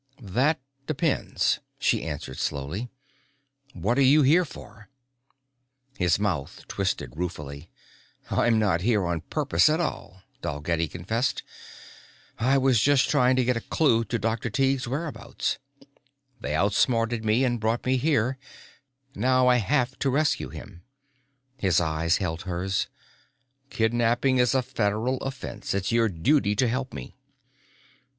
"That depends," she answered slowly. "What are you here for?" His mouth twisted ruefully. "I'm not here on purpose at all," Dalgetty confessed. "I was just trying to get a clue to Dr. Tighe's whereabouts. They outsmarted me and brought me here. Now I have to rescue him." His eyes held hers. "Kidnapping is a Federal offense. It's your duty to help me."